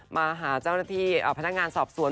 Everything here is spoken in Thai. มาหาเจ้าหน้าที่พนักงานสอบสวน